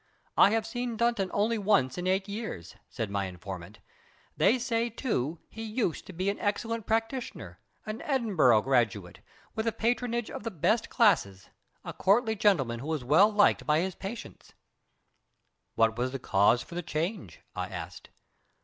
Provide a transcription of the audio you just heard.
"I have seen Dunton only once in eight years," said my informant. "They say, too, he used to be an excellent practitioner, an Edinburgh graduate, with a patronage of the best classes a courtly gentleman who was well liked by his patients." "What was the cause for the change?" I asked.